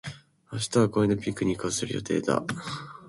明日は公園でピクニックをする予定だ。